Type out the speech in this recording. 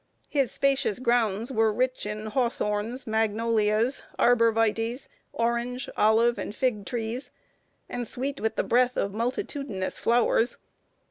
His spacious grounds were rich in hawthorns, magnolias, arbor vitæs, orange, olive, and fig trees, and sweet with the breath of multitudinous flowers.